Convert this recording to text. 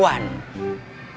ustad dupri al baghdadi